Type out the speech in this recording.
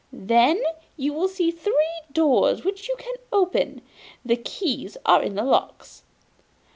Then you will see three doors, which you can open the keys are in the locks.